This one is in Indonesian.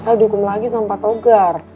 lo dihukum lagi sama patogar